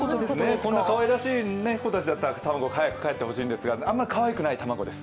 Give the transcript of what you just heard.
こんなにかわいらしい子たちだったら早くかえってほしいんですが、あんまり、かわいくない卵です。